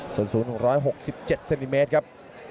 ส่วนศูนย์๑๖๗ซินติเมตรครับ